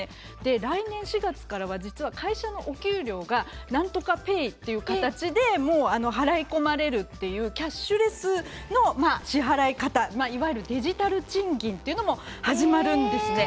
来年４月からは実は会社のお給料がなんとかペイという形で払い込まれるというキャッシュレスの支払い方いわゆるデジタル賃金というのも始まるんですね。